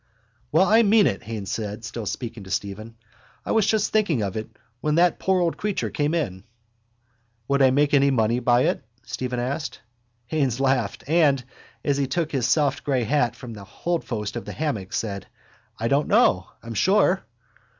—Well, I mean it, Haines said, still speaking to Stephen. I was just thinking of it when that poor old creature came in. —Would I make any money by it? Stephen asked. Haines laughed and, as he took his soft grey hat from the holdfast of the hammock, said: —I don't know, I'm sure.